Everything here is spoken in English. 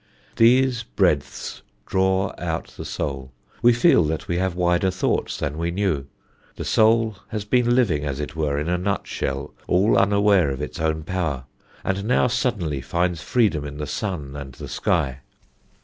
"These breadths draw out the soul; we feel that we have wider thoughts than we knew; the soul has been living, as it were, in a nutshell, all unaware of its own power, and now suddenly finds freedom in the sun and the sky.